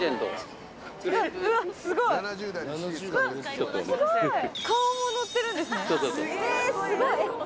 えすごい！